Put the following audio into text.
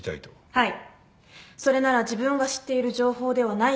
はい。